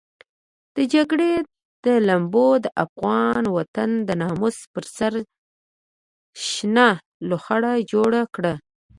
د جګړې لمبو د افغان وطن د ناموس پر سر شنه لوخړه جوړه کړه.